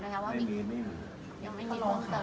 ยังไม่มี